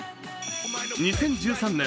２０１３年